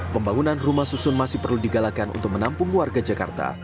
pembangunan rumah susun masih perlu digalakan untuk menampung warga jakarta